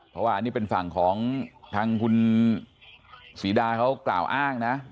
เพราะว่าอันนี้เป็นฝั่งของทางคุณศรีดาเขากล่าวอ้างนะ